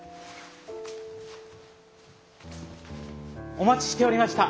お待ちしておりました。